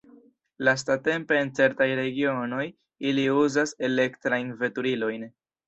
Lastatempe en certaj regionoj ili uzas elektrajn veturilojn.